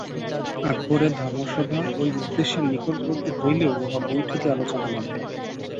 আকবরের ধর্মসভা ঐ উদ্দেশ্যের নিকটবর্তী হইলেও উহা বৈঠকী আলোচনা মাত্র।